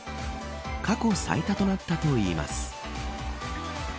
過去最多となったといいます。